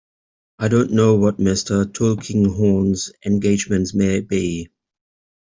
I don't know what Mr. Tulkinghorn's engagements may be.